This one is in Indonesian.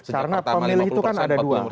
karena pemilih itu kan ada dua